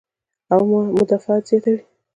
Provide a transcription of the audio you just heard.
او مدافعت زياتوي -